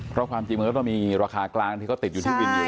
เพราะความจริงมันก็ต้องมีราคากลางที่เขาติดอยู่ที่วินอยู่